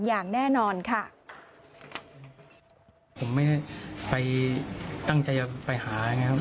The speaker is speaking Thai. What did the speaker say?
อย่างแน่นอนค่ะ